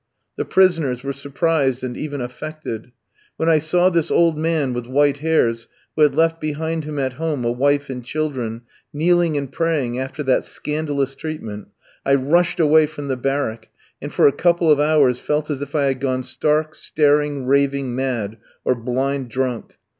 The prisoners were surprised and even affected. When I saw this old man with white hairs, who had left behind him at home a wife and children, kneeling and praying after that scandalous treatment, I rushed away from the barrack, and for a couple of hours felt as if I had gone stark, staring, raving mad, or blind drunk....